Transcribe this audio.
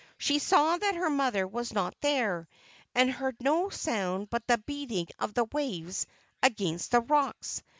She saw that her mother was not there, and heard no sound but the beating of the waves against the rocks.